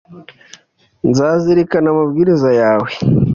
nzazirikana amabwiriza yawe